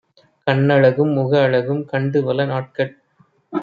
கண்ணழகும் முகஅழகும் கண்டுபல நாட்கள்